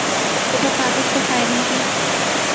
صبح صادق سے فائرنگ کی